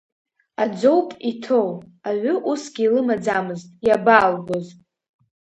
Аӡоуп иҭоу, аҩы усгьы илымаӡамызт, иабаалгоз!